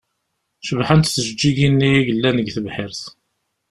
Cebḥent tjeǧǧigin-nni i yellan deg tebḥirt.